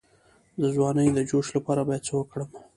د ځوانۍ د جوش لپاره باید څه وکړم؟